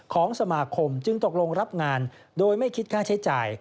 ของสมาคมจึงตกลงรับงานโดยไม่คิดค่าใช้จ่าย